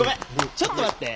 ちょっと待って。